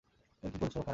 তুমি কী করছ এখানে?